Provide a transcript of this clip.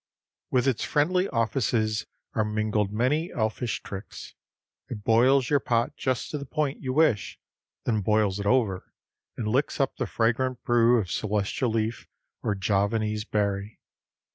With its friendly offices are mingled many elfish tricks. It boils your pot just to the point you wish, then boils it over and licks up the fragrant brew of celestial leaf or Javanese berry.